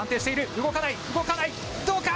動かない、動かない、どうか。